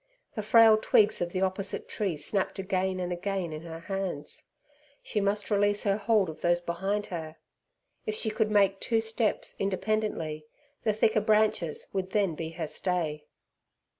The frail twigs of the opposite tree snapped again and again in her hands. She must release her hold of those behind her. If she could make two steps independently, the thicker branches would then be her stay.